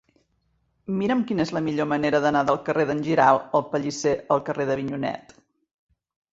Mira'm quina és la millor manera d'anar del carrer d'en Giralt el Pellisser al carrer d'Avinyonet.